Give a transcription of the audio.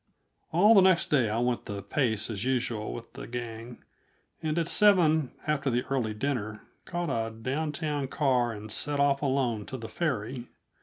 All the next day I went the pace as usual with the gang, and at seven, after an early dinner, caught a down town car and set off alone to the ferry.